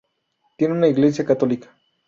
Tiene una iglesia católica.